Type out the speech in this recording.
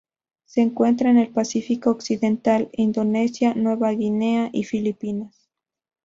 Se encuentra en el Pacífico occidental: Indonesia, Nueva Guinea y Filipinas.